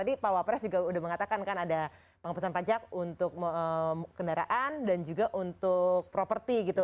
tadi pak wapres juga sudah mengatakan kan ada pengepusan pajak untuk kendaraan dan juga untuk properti gitu